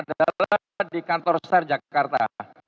adalah di kantor star jakarta